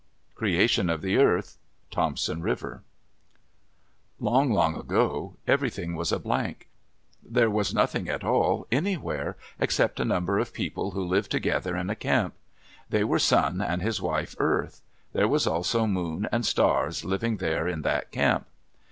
CREATION OF THE EARTH Thompson River Long, long ago, everything was a blank. There was nothing at all, anywhere, except a number of people who lived together in a camp. They were Sun and his wife Earth. There were also Moon and Stars living there in that camp.